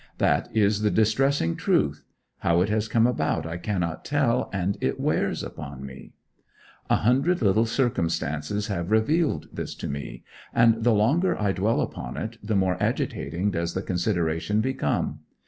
That is the distressing truth; how it has come about I cannot tell, and it wears upon me. A hundred little circumstances have revealed this to me, and the longer I dwell upon it the more agitating does the consideration become.